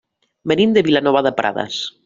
Venim de Vilanova de Prades.